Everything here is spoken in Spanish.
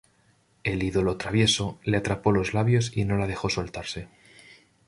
El ídolo travieso le atrapó los labios y no la dejó soltarse.